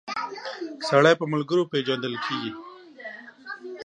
سړی په ملګرو پيژندل کیږی